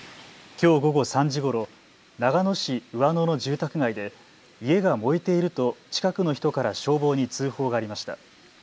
きょう午後３時ごろ長野市上野の住宅街で家が燃えていると近くの人から消防に通報がありました。